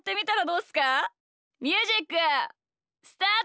ミュージックスタート！